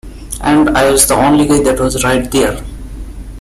And I was the only guy that was right there.